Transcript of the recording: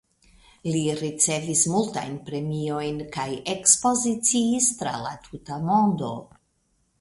Li ricevis multajn premiojn kaj ekspoziciis tra la tuta mondo.